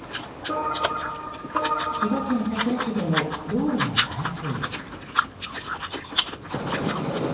千葉県佐倉市でも道路が冠水。